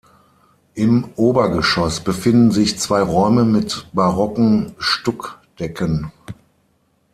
Im Obergeschoss befinden sich zwei Räume mit barocken Stuckdecken.